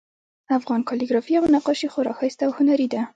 افغان کالیګرافي او نقاشي خورا ښایسته او هنري ده